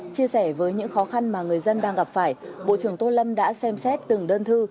chia sẻ với những khó khăn mà người dân đang gặp phải bộ trưởng tô lâm đã xem xét từng đơn thư